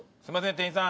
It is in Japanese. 店員さん。